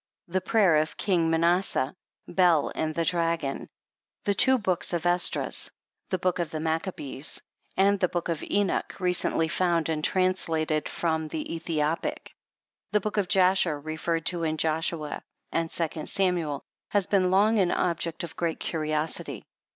The prayer of King Manasseh, Bel and the Dragon, the two Books of Esdras, the Book of the Maccabees, and the Book of Enoch, recently found and translated from the Ethiopic. The Book of Jasher, referred to in Joshua and Second Samuel, has been long an object of great curiosity.